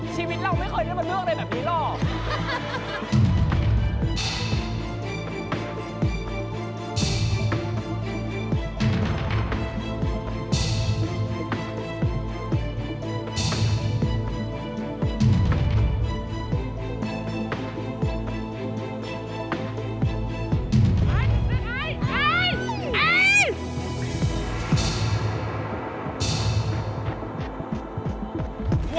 ชีวิตเราไม่เคยได้มาเลือกอะไรแบบนี้หรอก